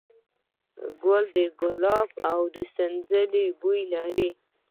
ګل د ګلاب او د سنځلې بوی لري.